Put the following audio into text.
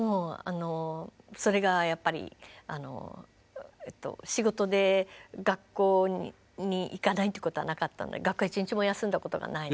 それがやっぱり仕事で学校に行かないということはなかったので学校は一日も休んだことがないので。